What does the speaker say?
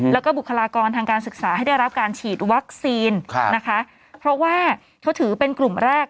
แล้วก็บุคลากรทางการศึกษาให้ได้รับการฉีดวัคซีนนะคะเพราะว่าเขาถือเป็นกลุ่มแรก